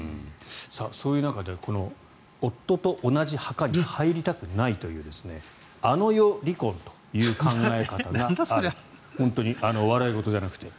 そういう中で夫と同じ墓に入りたくないというあの世離婚という考え方が本当に笑い事じゃなくて。